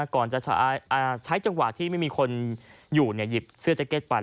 ก่อนจะใช้จังหวะที่ไม่มีคนอยู่หยิบเสื้อแจ็คเก็ตไป